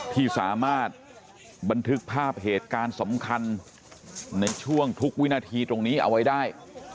ที่สามารถบันทึกภาพเหตุการณ์สำคัญในช่วงทุกวินาทีตรงนี้เอาไว้ได้